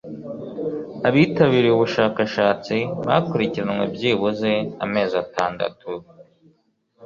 abitabiriye ubushakashatsi bakurikiranwe byibuze amezi atandatu